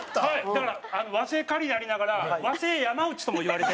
だから和製カリーでありながら和製山内ともいわれて。